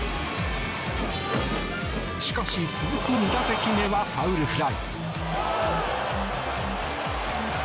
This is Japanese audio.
しかし、続く２打席目はファウルフライ。